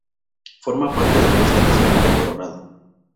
Forma parte del bosque Nacional de Coronado.